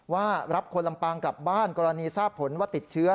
ว่ารับคนลำปางกลับบ้านกรณีทราบผลว่าติดเชื้อ